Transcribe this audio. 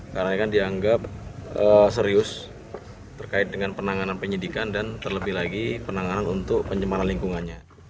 karena ini kan dianggap serius terkait dengan penanganan penyidikan dan terlebih lagi penanganan untuk penyembalan lingkungannya